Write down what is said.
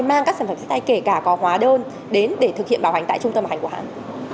mang các sản phẩm sách tay kể cả có hóa đơn đến để thực hiện bảo hành tại trung tâm bảo hành của hãng